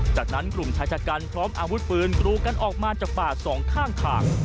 จากนั้นกลุ่มทัชกันพร้อมอาวุธปืนกรูกันออกมาจากฝ่า๒ข้าง